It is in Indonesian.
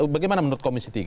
bagaimana menurut komisi tiga